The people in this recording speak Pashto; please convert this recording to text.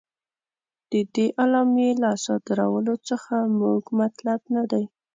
د دې اعلامیې له صادرولو څخه زموږ مطلب نه دی.